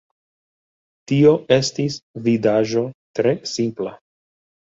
Tio estis vidaĵo tre simpla.